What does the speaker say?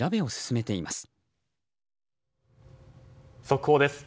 速報です。